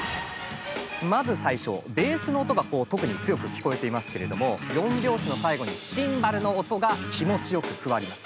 まず最初ベースの音が特に強く聞こえていますけれども４拍子の最後にシンバルの音が気持ちよく加わります。